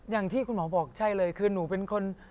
อย่างที่คุณหมอบอกใช่เลยคือหนูเป็นคน